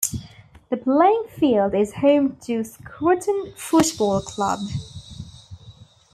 The playing field is home to Scruton Football Club.